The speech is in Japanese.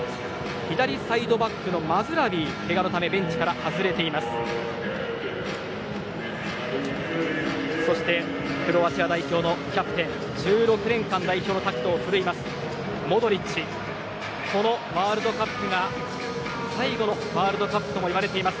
左サイドバックのマズラウィは、けがのためベンチから外れています。